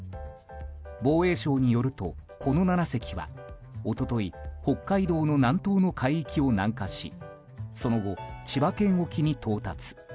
防衛省によると、この７隻は一昨日北海道の南東の海域を南下しその後、千葉県沖に到達。